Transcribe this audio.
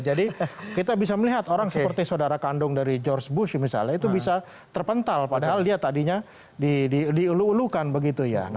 jadi kita bisa melihat orang seperti saudara kandung dari george bush misalnya itu bisa terpental padahal dia tadinya diulukan begitu ya